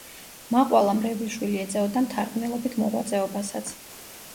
მაყვალა მრევლიშვილი ეწეოდა მთარგმნელობით მოღვაწეობასაც.